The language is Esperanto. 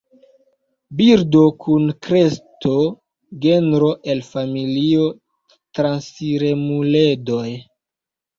Birdo kun kresto, genro el familio transiremuledoj.